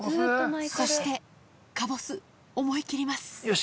そしてかぼす思い切ります